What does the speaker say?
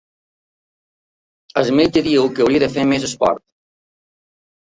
El metge diu que hauria de fer més esport.